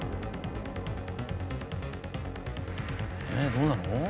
どうなの？